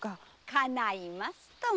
かないますとも！